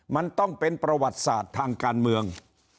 มันต้องเป็นประวัติศาสตร์ทางการเมือง